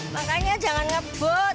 makanya jangan ngebut